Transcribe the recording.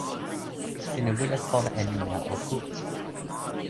sina wile sona e ni la o ku.